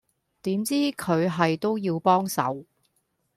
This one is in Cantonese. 點知佢係都要幫手